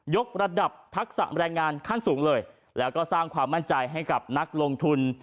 กระดับทักษะแรงงานขั้นสูงเลยแล้วก็สร้างความมั่นใจให้กับนักลงทุน